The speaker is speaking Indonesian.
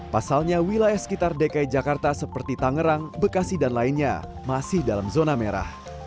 pasalnya wilayah sekitar dki jakarta seperti tangerang bekasi dan lainnya masih dalam zona merah